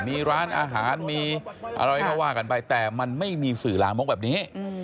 มีร้านอาหารมีอะไรก็ว่ากันไปแต่มันไม่มีสื่อลามกแบบนี้